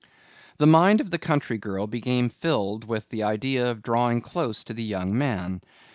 The mind of the country girl became filled with the idea of drawing close to the young man.